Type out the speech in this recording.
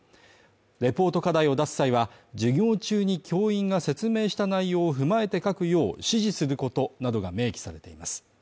レポート課題を出す際は、授業中に教員が説明した内容を踏まえて書くよう指示することなどが明記されています。